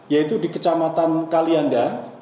yaitu di kecamatan kalianda